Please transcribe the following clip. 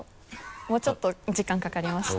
もうちょっと時間かかりました。